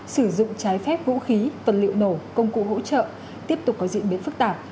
sử dụng trái phép vũ khí vật liệu nổ công cụ hỗ trợ tiếp tục có diễn biến phức tạp